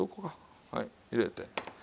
はい入れて。